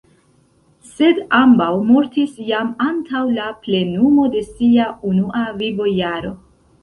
Sed ambaŭ mortis jam antaŭ la plenumo de sia unua vivojaro.